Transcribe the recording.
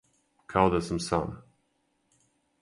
Као да сам сам.